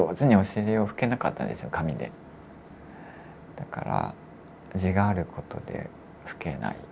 だから痔があることで拭けない。